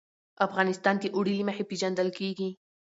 افغانستان د اوړي له مخې پېژندل کېږي.